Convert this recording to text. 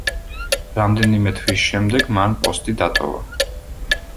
რამდენიმე თვის შემდეგ მან პოსტი დატოვა.